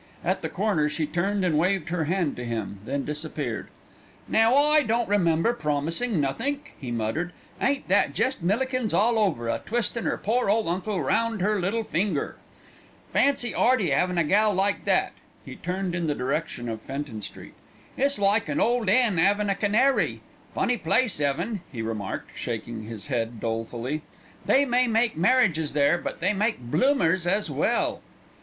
At the corner she turned and waved her hand to him, then disappeared. "Now I don't remember promisin' nothink," he muttered. "Ain't that jest Millikins all over, a twistin' 'er pore ole uncle round 'er little finger. Fancy 'Earty 'avin' a gal like that." He turned in the direction of Fenton Street. "It's like an old 'en 'avin' a canary. Funny place 'eaven," he remarked, shaking his head dolefully. "They may make marriages there, but they make bloomers as well."